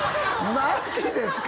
マジですか？